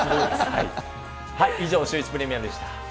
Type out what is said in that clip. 以上、シューイチプレミアムでした。